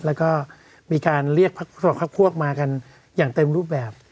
แล้วก็มีการเรียกพักพวกมากันอย่างเต็มรูปแบบ